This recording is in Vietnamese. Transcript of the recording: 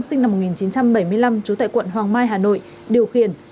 sinh năm một nghìn chín trăm bảy mươi năm trú tại quận hoàng mai hà nội điều khiển